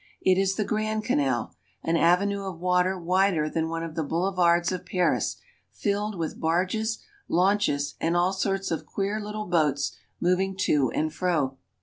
It is the Grand Canal, an avenue of water wider than one of the boulevards of Paris, filled with barges, launches, and all sorts of queer little boats moving to and fro.